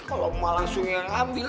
kalau mau langsung yang ngambil